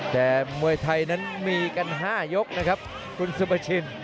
แต่มวยไทยนั้นมีกัน๕ยกนะครับคุณซุปชิน